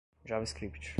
javascript